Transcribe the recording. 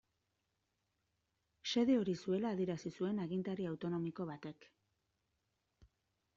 Xede hori zuela adierazi zuen agintari autonomiko batek.